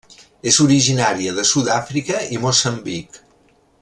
És originària de Sud-àfrica i Moçambic.